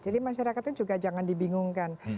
jadi masyarakatnya juga jangan dibingungkan